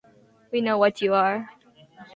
We know what you are.